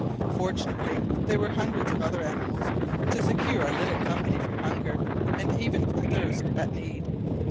Fortunately there were hundreds of other animals to secure our little company from hunger, and even from thirst, at need.